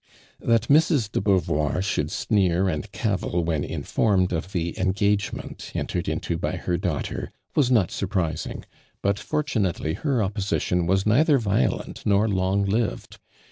That Mrs. de Beauvoir should sneer and cavil when informed of the engagement entered into by her daughter, was not lur ])ri3ing, but fortunately her opposition vas neither violent nor long lived.